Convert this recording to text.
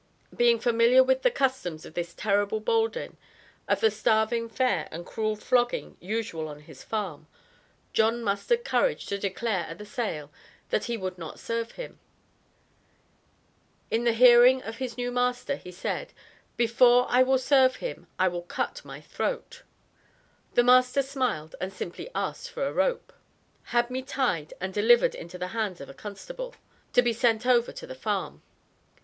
Being familiar with, the customs of this terrible Boldin, of the starving fare and cruel flogging usual on his farm, John mustered courage to declare at the sale, that he "would not serve him." In the hearing of his new master, he said, "before I will serve him I will CUT my throat!" The master smiled, and simply asked for a rope; "had me tied and delivered into the hands of a constable," to be sent over to the farm.